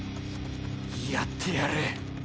殺ってやる！